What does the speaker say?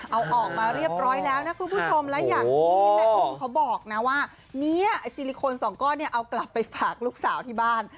เอาออกมาเรียบร้อยแล้วนะคุณผู้ชมและอย่างที่แม่อุ้มเขาบอกนะว่าเนี่ยไอ้ซิลิโคนสองก้อนเนี่ยเอากลับไปฝากลูกสาวที่บ้าน